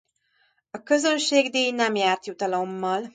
A közönségdíj nem járt jutalommal.